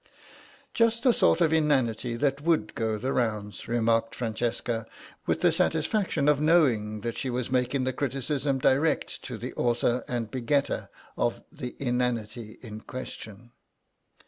"Just the sort of inanity that would go the rounds," remarked Francesca, with the satisfaction of knowing that she was making the criticism direct to the author and begetter of the inanity in question.